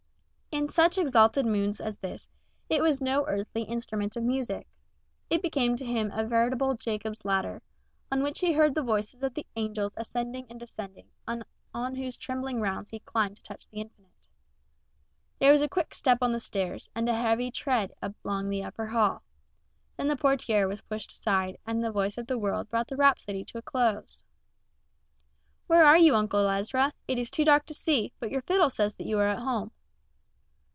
In such exalted moods as this it was no earthly instrument of music. It became to him a veritable Jacob's ladder, on which he heard the voices of the angels ascending and descending, and on whose trembling rounds he climbed to touch the Infinite. There was a quick step on the stairs, and a heavy tread along the upper hall. Then the portiere was pushed aside and a voice of the world brought the rhapsody to a close. "Where are you, Uncle Ezra? It is too dark to see, but your fiddle says that you are at home."